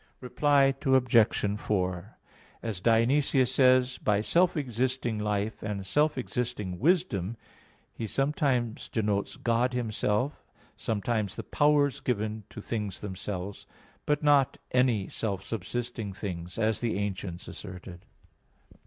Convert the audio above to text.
Reply Obj. 4: As Dionysius says (Div. Nom. iv), by "self existing life and self existing wisdom" he sometimes denotes God Himself, sometimes the powers given to things themselves; but not any self subsisting things, as the ancients asserted.